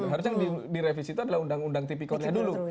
harusnya yang direvisi itu adalah undang undang tipikor nya dulu